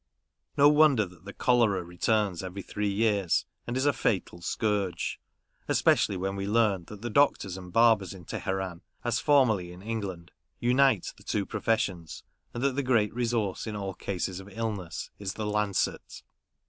No wonder that the cholera returns every three years, and is a fatal scourge ; especially when we learn that the doctors and barbers worth, at Teheran, one hundred apiece. There are also lamb's skin two professions and that the great resource in all cases of illness is the lancet.